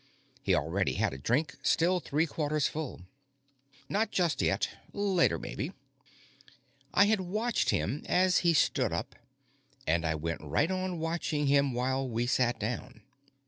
He already had a drink, still three quarters full. "Not just yet. Later, maybe." I had watched him as he stood up, and I went right on watching him while we sat down.